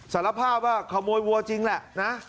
สารภาพว่าขโมยวัวจริงแหละนะ